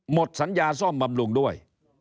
หมดสัญญาซ่อมบำรุงด้วย